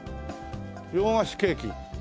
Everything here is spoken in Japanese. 「洋菓子ケーキ」